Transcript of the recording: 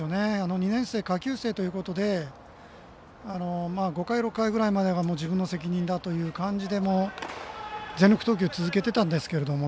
２年生、下級生ということで５回、６回までは自分の責任だということで全力投球を続けてたんですが。